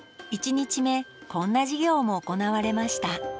一日目こんな授業も行われました。